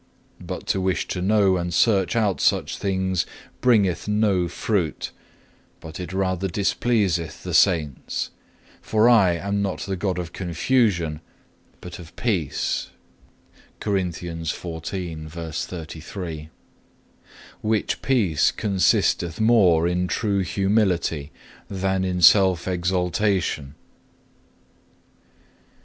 But to wish to know and search out such things bringeth no fruit, but it rather displeaseth the Saints; for I am not _the God of confusion but of peace;_(3) which peace consisteth more in true humility than in self exaltation.